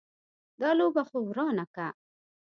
دا لوبه خو ورانه که.